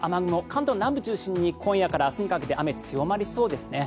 関東南部中心に今夜から明日朝にかけて強まりそうですね。